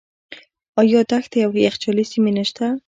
آیا دښتې او یخچالي سیمې نشته؟